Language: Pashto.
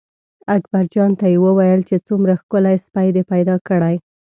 اکبرجان ته یې وویل چې څومره ښکلی سپی دې پیدا کړی.